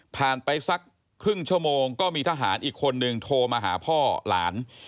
ไปสักครึ่งชั่วโมงก็มีทหารอีกคนนึงโทรมาหาพ่อหลาน